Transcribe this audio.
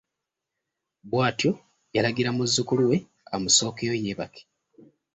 Bwatyo yalagira muzzukulu we amusookeyo yeebake.